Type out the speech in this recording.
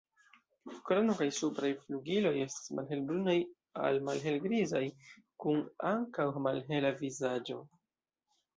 Krono kaj supraj flugiloj estas malhelbrunaj al malhelgrizaj, kun ankaŭ malhela vizaĝo.